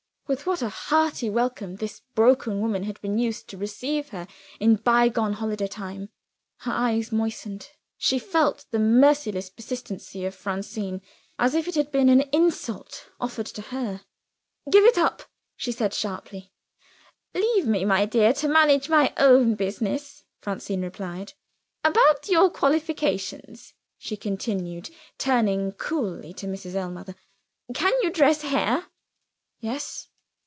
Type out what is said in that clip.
With what a hearty welcome this broken woman had been used to receive her in the bygone holiday time! Her eyes moistened. She felt the merciless persistency of Francine, as if it had been an insult offered to herself. "Give it up!" she said sharply. "Leave me, my dear, to manage my own business," Francine replied. "About your qualifications?" she continued, turning coolly to Mrs. Ellmother. "Can you dress hair?" "Yes."